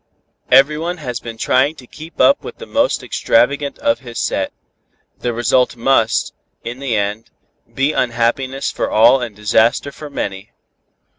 Everyone has been trying to keep up with the most extravagant of his set: the result must, in the end, be unhappiness for all and disaster for many.